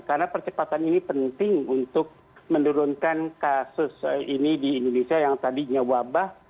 karena percepatan ini penting untuk menurunkan kasus ini di indonesia yang tadinya wabah